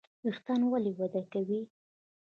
ویښتان ولې وده کوي؟